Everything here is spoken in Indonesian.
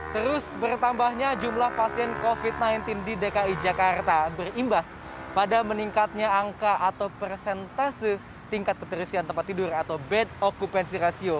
terus bertambahnya jumlah pasien covid sembilan belas di dki jakarta berimbas pada meningkatnya angka atau persentase tingkat keterisian tempat tidur atau bed occupancy ratio